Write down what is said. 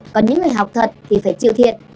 còn những người học thật thì phải chịu thiệt